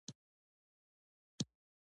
کوتره د خوښۍ نغمه لري.